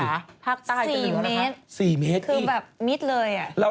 คุณขาภาคใต้จะเรียกว่านะครับ